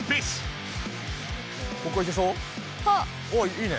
あいいね。